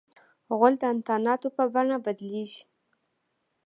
غول د انتاناتو په بڼه بدلیږي.